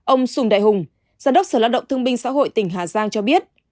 ông sùng đại hùng giám đốc sở lao động thương binh xã hội tỉnh hà giang cho biết